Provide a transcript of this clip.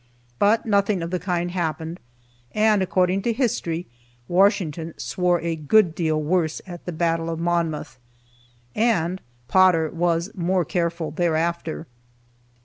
But nothing of the kind happened. And, according to history, Washington swore a good deal worse at the battle of Monmouth, and Potter was more careful thereafter.